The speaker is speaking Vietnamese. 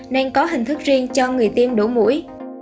nên có hình thức riêng cho người tiêm đổ mũi